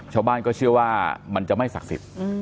ชาวบ้านก็เชื่อว่ามันจะไม่ศักดิ์สิทธิ์